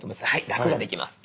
楽ができます。